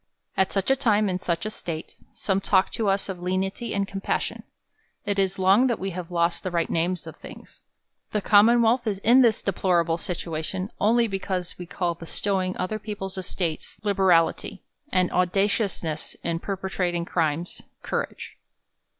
At such a time, in such a state, some talk to us of lenity and compassion. It is long that we have lost the right names of things. The Common w^en 1th is in this deplorable situation, only because we call bestow ing ^ THE COLUMBIAN ORATOR. 49 ing other people's estates, liberality, and audaciousness in perpetrating crimes, courage.